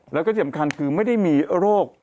แล้วก็ที่สำคัญคือไม่ได้มีโรค